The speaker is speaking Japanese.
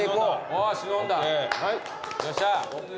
よっしゃ。